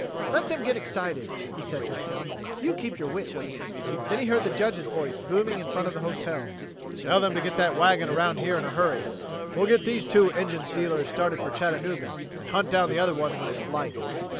"Let them get excited," he said to himself; "you keep your wits." Then he heard the Judge's voice, booming in front of the hotel: "Tell them to get that wagon around here in a hurry we'll get these two engine stealers started for Chattanooga, and hunt down the other one when it's light."